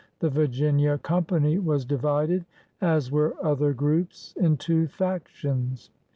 The Virginia Company was divided, as were other groups, into factions.